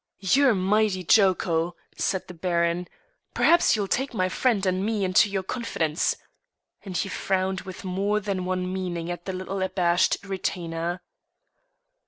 "You're mighty joco!" said the Baron; "perhaps you'll take my friend and me into your confidence;" and he frowned with more than one meaning at the little abashed retainer.